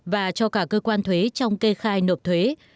và cơ quan thuế trong kê khai nộp thuế